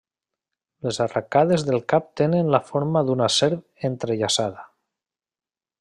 Les arracades del cap tenen la forma d'una serp entrellaçada.